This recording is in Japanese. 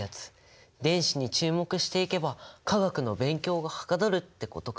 電子に注目していけば化学の勉強がはかどるってことか。